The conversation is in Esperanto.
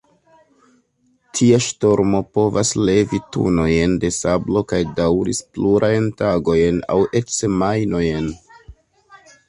Tia ŝtormo povas levi tunojn da sablo kaj daŭri plurajn tagojn aŭ eĉ semajnojn.